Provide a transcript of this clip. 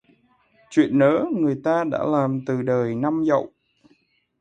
Chuyện nớ người ta đã làm từ đời năm Dậu